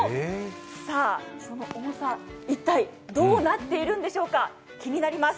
その重さ一体どうなっているんでしょうか、気になります。